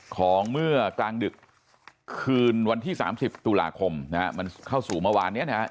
ของเมื่อกลางดึกคืนวันที่๓๐ตุลาคมนะฮะมันเข้าสู่เมื่อวานเนี่ยนะฮะ